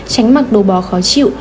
tránh mặc đồ bò khó chịu